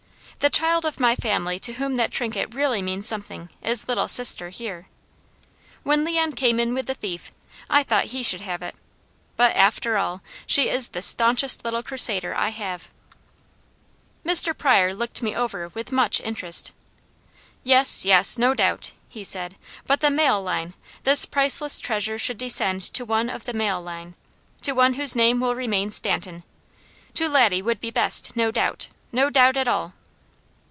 The child of my family to whom that trinket really means something is Little Sister, here. When Leon came in with the thief, I thought he should have it; but after all, she is the staunchest little Crusader I have." Mr. Pryor looked me over with much interest. "Yes, yes! No doubt!" he said. "But the male line! This priceless treasure should descend to one of the male line! To one whose name will remain Stanton! To Laddie would be best, no doubt! No doubt at all!"